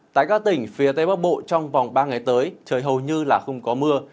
tại các tỉnh phía tây bắc bộ trong vòng ba ngày tới trời hầu như là không có mưa